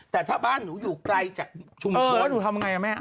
แต่ถ้าบ้านหนูอยู่ใกล้จากชุมชนเออหนูทำยังไงนะแม่